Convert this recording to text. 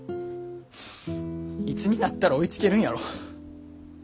いつになったら追いつけるんやろ。